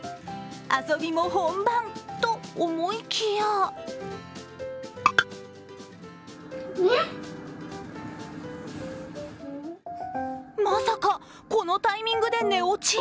遊びも本番と思いきやまさか、このタイミングで寝落ち？